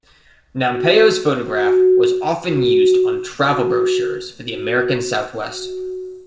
Nampeyo's photograph was often used on travel brochures for the American southwest.